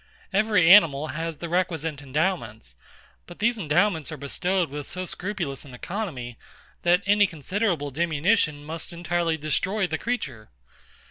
Every animal has the requisite endowments; but these endowments are bestowed with so scrupulous an economy, that any considerable diminution must entirely destroy the creature.